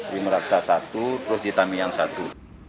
di meraksa satu terus di tamiang satu